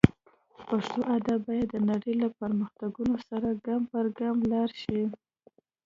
پښتو ادب باید د نړۍ له پرمختګونو سره ګام پر ګام لاړ شي